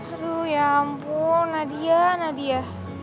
aduh ya ampun nadia nadia